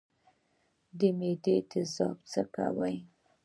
د معدې تیزاب څه کوي؟